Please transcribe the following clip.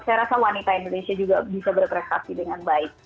saya rasa wanita indonesia juga bisa berprestasi dengan baik